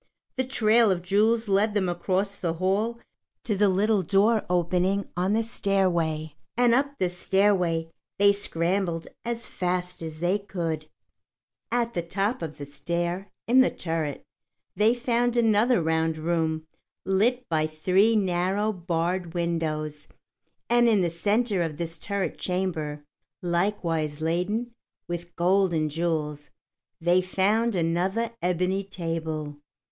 The trail of jewels led them across the hall to the little door opening on the stairway, and up this stairway they scrambled as fast as they could go. At the top of the stair, in the turret, they found another round room lit by three narrow, barred windows, and in the centre of this turret chamber, likewise laden with gold and jewels, they found another ebony table.